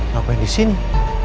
ngapain di sini